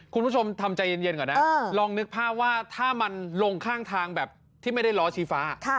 คุณผู้ชมทำใจเย็นก่อนนะลองนึกภาพว่าถ้ามันลงข้างทางแบบที่ไม่ได้ล้อชี้ฟ้า